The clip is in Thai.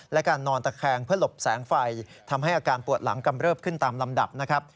และการนอนตะแคงเพื่อหลบแสงไฟทำให้อาการปวดหลังกำเริบขึ้นตามลำดับนะครับ